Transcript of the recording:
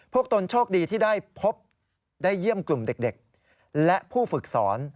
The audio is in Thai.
ตนโชคดีที่ได้พบได้เยี่ยมกลุ่มเด็กและผู้ฝึกสอน